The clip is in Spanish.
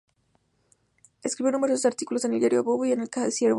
Escribió numerosos artículos en el diario "Avui" y en "El Ciervo.